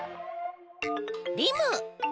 リム。